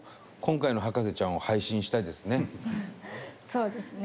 そうですね。